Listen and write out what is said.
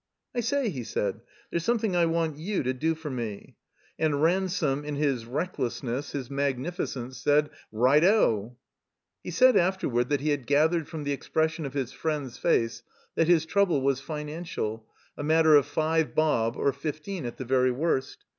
I sy," he said, ''there's something I want you to do for me," and Ransome, in his recklessness, his magnificence, said ''Right OI" He said afterward that he had gathered from the expression of his friend's face that his trouble was financial, a matter of five bob, or fifteen at the very worst.